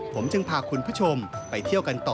ผมจึงพาคุณผู้ชมไปเที่ยวกันต่อ